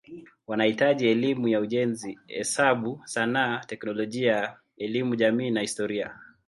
Wanahitaji elimu ya ujenzi, hesabu, sanaa, teknolojia, elimu jamii na historia.